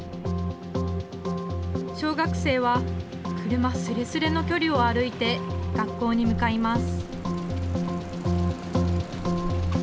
小学生は車すれすれの距離を歩いて学校に向かいます。